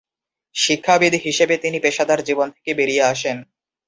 শিক্ষাবিদ হিসেবে তিনি পেশাদার জীবন থেকে বেরিয়ে আসেন।